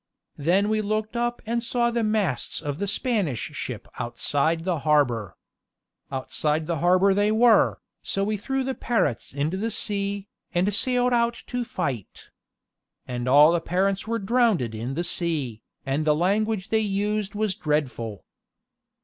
Then we looked up and saw the masts of the Spanish ship outside the harbor. Outside the harbor they were, so we threw the parrots into the sea, and sailed out to fight. And all the parrots were drowneded in the sea, and the language they used was dreadful."